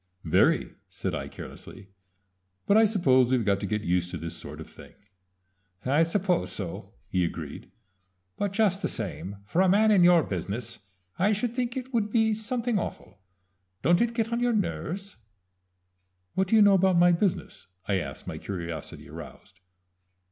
"Very," said I carelessly. "But I suppose we've got to get used to this sort of thing." "I suppose so," he agreed; "but just the same for a man in your business I should think it would be something awful. Don't it get on your nerves?" "What do you know about my business?" I asked, my curiosity aroused.